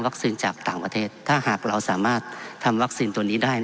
จากต่างประเทศถ้าหากเราสามารถทำวัคซีนตัวนี้ได้